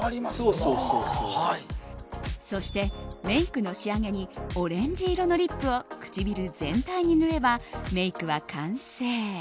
そして、メイクの仕上げにオレンジ色のリップを唇全体に塗れば、メイクは完成。